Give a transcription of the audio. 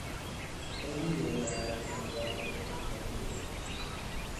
އެއީ އޭނާއަށް ލިބުނު ވަރަށް ބޮޑު ހިތްހަމަޖެހުމެއް